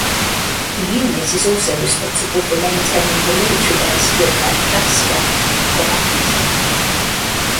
The unit is also responsible for maintaining the military airstrip at Vastrap, near Upington.